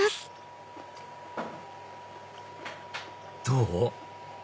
どう？